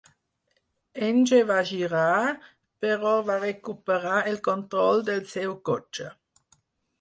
Enge va girar, però va recuperar el control del seu cotxe.